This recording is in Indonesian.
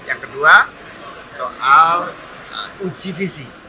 yang kedua soal uji visi